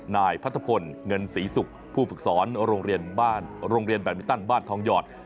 นายพัทธพลเงินศรีศุกร์ผู้ฝึกสอนโรงเรียนแบดมินตันบ้านทองยอด